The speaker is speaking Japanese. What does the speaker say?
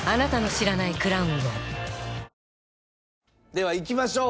ではいきましょう。